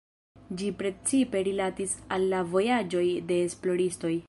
Ĝi precipe rilatis al la vojaĝoj de esploristoj.